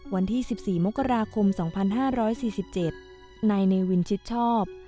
วันที่๑๔มกราคม๒๕๔๗นายเนวินชิดชอบ